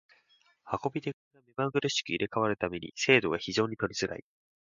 運手が目まぐるしく入れ替わる為に精度が非常に取りづらい。